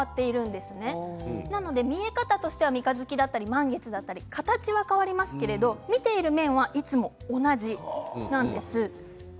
ですので見え方としては三日月だったり満月だったり形が変わりますが見ている面が同じなんです。